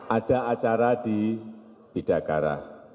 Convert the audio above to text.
ada acara di bidakara